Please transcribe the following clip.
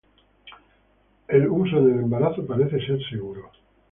El uso en el embarazo parece ser seguro.